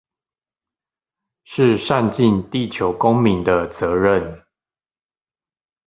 是善盡地球公民的責任